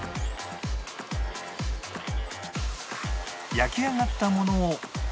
焼き上がったものを